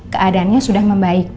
keadaannya sudah membaik